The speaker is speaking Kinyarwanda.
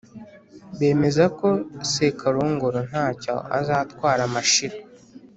bemeza ko sekarongoro nta cyo azatwara mashira.